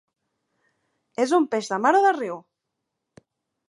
És un peix de mar o de riu?